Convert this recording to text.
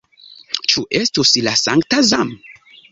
Ĉu estus la sankta Zam?